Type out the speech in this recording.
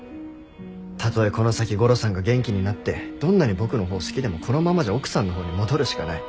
たとえこの先ゴロさんが元気になってどんなに僕のほうを好きでもこのままじゃ奥さんのほうに戻るしかない。